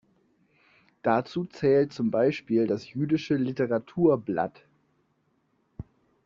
Dazu zählt zum Beispiel das Jüdische Litteratur-Blatt.